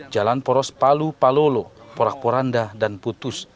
jalan poros palu palolo porak poranda dan putus